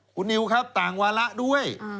คุณนิวครับต่างวาระด้วย